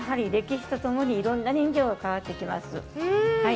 歴史とともにいろんな人形が変わってきます。